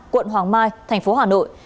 quận hoàng mai thành phố hà nội